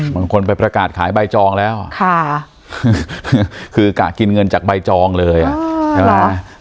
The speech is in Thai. เหมือนคนไปประกาศขายใบจองแล้วค่ะคือกะกินเงินจากใบจองเลยอะ